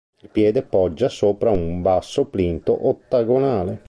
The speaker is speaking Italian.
Il piede poggia sopra un basso plinto ottagonale.